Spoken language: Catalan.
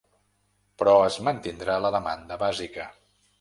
Però es mantindrà la demanda bàsica.